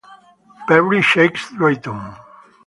Perri Shakes-Drayton